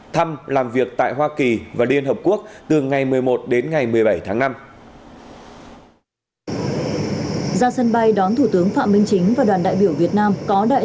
thăm làm việc tại hoa kỳ và liên hợp quốc từ ngày một mươi một đến ngày một mươi bảy tháng năm